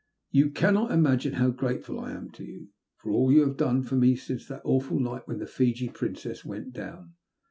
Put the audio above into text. Yon cannot imagine how grateful I am to you for all yon have done for me since that awful night when the Fiji Princess went down.